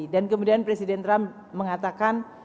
dan kemudian presiden trump mengatakan